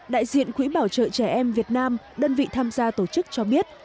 đại diện quỹ bảo trợ trẻ em việt nam đơn vị tham gia tổ chức cho biết